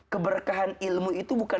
keberkahan ilmu itu bukan